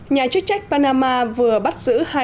nhà chức trách panama vừa bắt giữ hai thành viên của thổ nhĩ kỳ